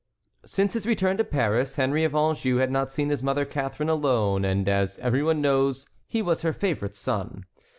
Since his return to Paris, Henry of Anjou had not seen his mother Catharine alone, and, as every one knows, he was her favorite son.